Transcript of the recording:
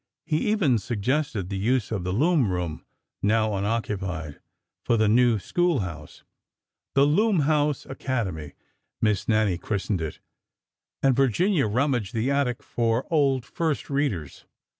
He even suggested the use of the loom room, now unoccupied, for the new school house— the " Loom house Academy," Miss Nannie christened it, and Vir ginia rummaged the attic for old " first readers."